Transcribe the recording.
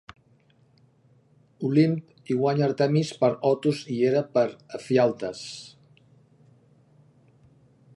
Olimp i guanya Artemis per Otus i Hera per Ephialtes.